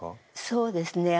そうですね。